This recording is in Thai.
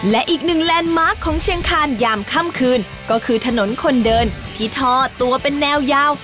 และอีกหนึ่งแลนด์มาร์คของเชียงคานยามค่ำคืนก็คือถนนคนเดินที่ท่อตัวเป็นแนวยาว